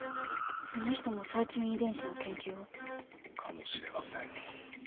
その人もサーチュイン遺伝子の研究を？かもしれません。